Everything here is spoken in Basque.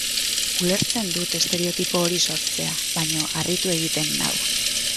Ulertzen dut estereotipo hori sortzea, baina harritu egiten nau.